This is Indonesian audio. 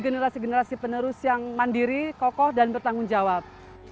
generasi generasi penerus yang mandiri kokoh dan bertanggung jawab